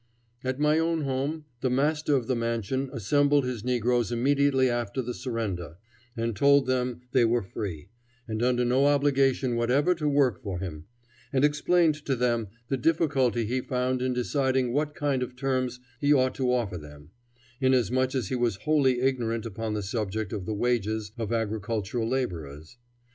At my own home the master of the mansion assembled his negroes immediately after the surrender; told them they were free, and under no obligation whatever to work for him; and explained to them the difficulty he found in deciding what kind of terms he ought to offer them, inasmuch as he was wholly ignorant upon the subject of the wages of agricultural laborers.